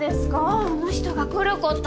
あの人が来ること！